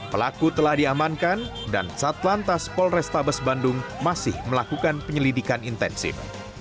pelaku telah diamankan dan satlantas polrestabes bandung masih melakukan penyelidikan intensif